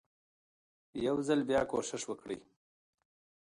يو ځل بيا کوښښ وکړئ